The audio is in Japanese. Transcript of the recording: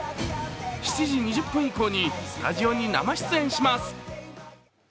７時２０分以降にスタジオに生出演します。